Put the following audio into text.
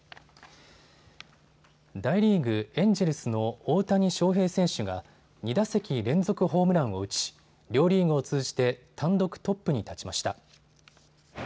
大リーグ、エンジェルスの大谷翔平選手が２打席連続ホームランを打ち両リーグを通じて単独トップに立ちました。